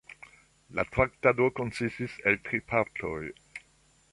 La Traktato konsistis el tri partoj.